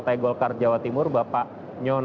terima kasih telah andahee pak negan